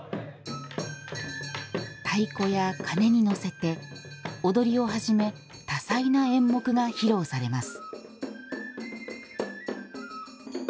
太鼓や鉦に乗せて踊りをはじめ多彩な演目が披露されます。